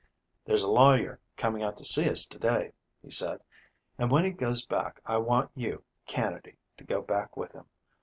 "There's a lawyer coming out to see us to day," he said, "and when he goes back I want you, Canady, to go back with him.